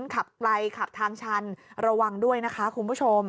ขับไกลขับทางชันระวังด้วยนะคะคุณผู้ชม